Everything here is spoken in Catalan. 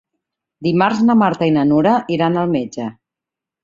Dimarts na Marta i na Nura iran al metge.